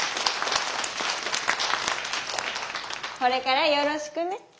これからよろしくね。